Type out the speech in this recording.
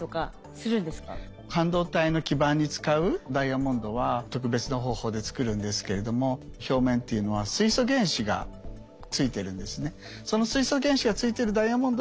半導体の基板に使うダイヤモンドは特別な方法でつくるんですけれども表面というのは水素原子がついてるんですね。